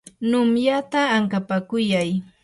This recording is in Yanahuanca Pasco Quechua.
numyata ankapakuyay.